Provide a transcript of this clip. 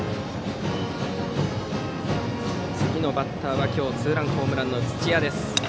次のバッターは今日ツーランホームランの土屋。